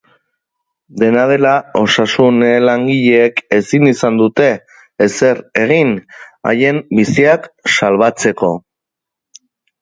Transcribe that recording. Dena dela, osasun langileek ezin izan dute ezer egin haien biziak salbatzeko.